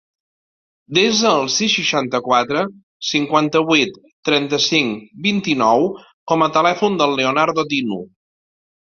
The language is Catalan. Desa el sis, seixanta-quatre, cinquanta-vuit, trenta-cinc, vint-i-nou com a telèfon del Leonardo Dinu.